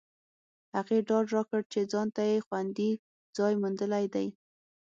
هغې ډاډ راکړ چې ځانته یې خوندي ځای موندلی دی